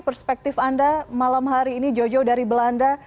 perspektif anda malam hari ini jojo dari belanda